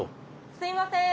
すいません。